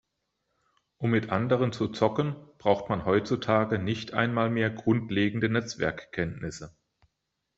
Um mit anderen zu zocken, braucht man heutzutage nicht einmal mehr grundlegende Netzwerkkenntnisse.